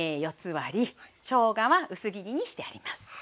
割りしょうがは薄切りにしてあります。